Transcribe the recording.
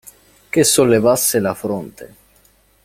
Che sollevasse la fronte.